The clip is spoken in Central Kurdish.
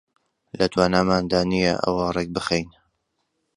لە تواناماندا نییە ئەوە ڕێک بخەین